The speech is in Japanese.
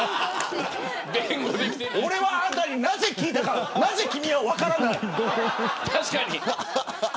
俺はあなたになぜ聞いたかなぜ君は分からない。